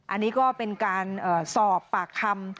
อันนี้ก็เป็นการสอบปากคำ